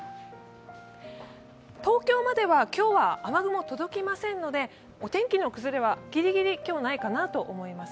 東京までは今日は雨雲、届きませんのでお天気の崩れはぎりぎり、今日はないかなと思います。